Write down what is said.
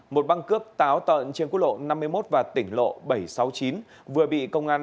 một băng cướp táo tợn trên quốc lộ năm mươi một và tỉnh lộ bảy trăm sáu mươi chín vừa bị công an